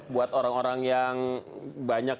buat orang orang yang banyak